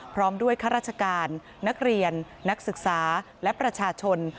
พร้อมด้วยข้าราชการนักเรียนนักศึกษาและประชาชน